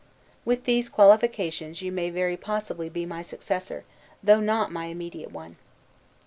With these qualifications you may very possibly be my successor, though not my immediate one.